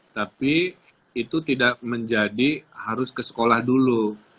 tapi itu tidak menjadi harus ke sekolah dulu